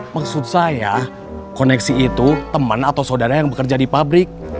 maksud saya koneksi itu teman atau saudara yang bekerja di pabrik